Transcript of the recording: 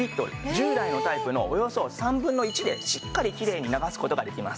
従来のタイプのおよそ３分の１でしっかりきれいに流す事ができます。